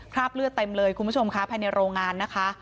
เลือดเต็มเลยคุณผู้ชมค่ะภายในโรงงานนะคะ